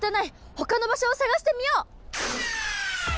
ほかの場所を探してみよう！